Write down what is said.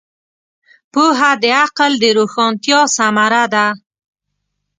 پوهه د عقل د روښانتیا ثمره ده.